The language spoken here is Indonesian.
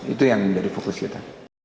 itu yang menjadi fokus kita